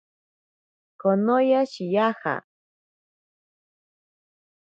Konoya shiyaja.